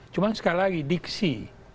cuma sekali lagi diksi